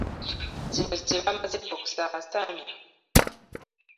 Zino ze baamaze edda okusaasaanya